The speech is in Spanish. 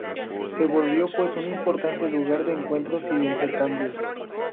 Se volvió pues un importante lugar de encuentros y de intercambios.